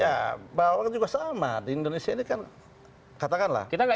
ya bawang juga sama di indonesia ini kan katakanlah